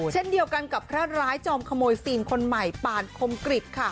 เช่นเดียวกันกับพระร้ายจอมขโมยฟิล์มคนใหม่ปานคมกริจค่ะ